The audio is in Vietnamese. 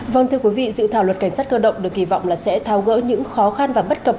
vâng thưa quý vị dự thảo luật cảnh sát cơ động được kỳ vọng là sẽ thao gỡ những khó khăn và bất cập